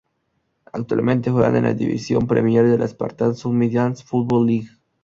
Actualmente juegan en la División Premier de la Spartan South Midlands Football League.